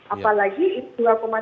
apalagi rp dua tiga triliun